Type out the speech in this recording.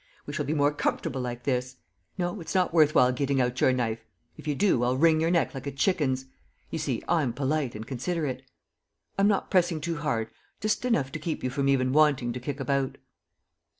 ... We shall be more comfortable like this. ... No, it's not worth while getting out your knife. ... If you do, I'll wring your neck like a chicken's. You see, I'm polite and considerate. ... I'm not pressing too hard ... just enough to keep you from even wanting to kick about."